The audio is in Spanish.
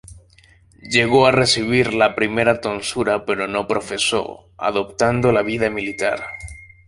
Llegó a recibir la primera tonsura pero no profesó, adoptando la vida militar.